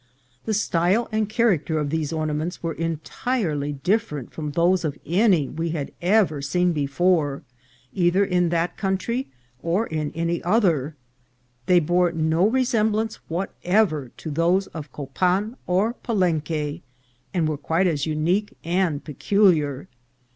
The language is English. The style and character of these ornaments were entirely different from those of any we had ever seen before, either in that country or any other ; they bore no resemblance whatever to those of Copan or Palenque, and were quite as unique and peculiar.